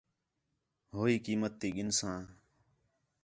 ہو ہی قیمت تی گِھنساں